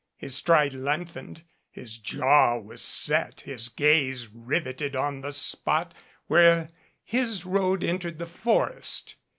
His stride lengthened, his jaw was set, his gaze riveted on the spot where his road entered the forest.